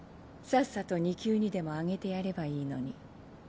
さっさと２級にでも上げてやればいいのに。